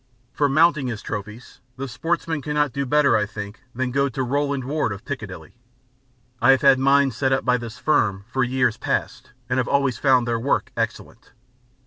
For mounting his trophies the sportsman cannot do better, I think, than go to Rowland Ward of Piccadilly. I have had mine set up by this firm for years past, and have always found their work excellent.